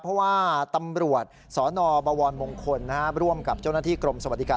เพราะว่าตำรวจสนบวรมงคลร่วมกับเจ้าหน้าที่กรมสวัสดิการ